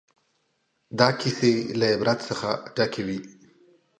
دا کیسې له عبرت څخه ډکې وې.